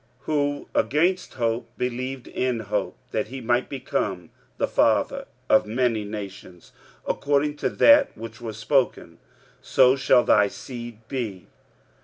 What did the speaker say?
45:004:018 Who against hope believed in hope, that he might become the father of many nations, according to that which was spoken, So shall thy seed be.